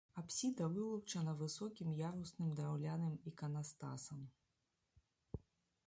Апсіда вылучана высокім ярусным драўляным іканастасам.